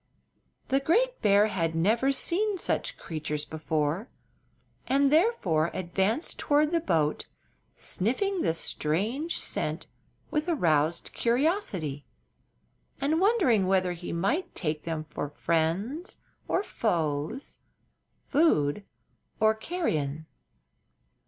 The great bear had never seen such creatures before, and therefore advanced toward the boat, sniffing the strange scent with aroused curiosity and wondering whether he might take them for friends or foes, food or carrion.